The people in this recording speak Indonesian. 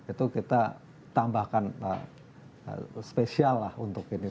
itu kita tambahkan spesial lah untuk ini